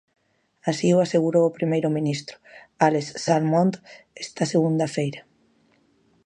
Así o asegurou o primeiro ministro, Alex Salmond, esta segunda feira.